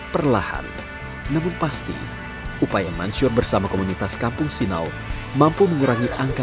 perlahan namun pasti upaya mansyur bersama komunitas kampung sinaw mampu mengurangi angka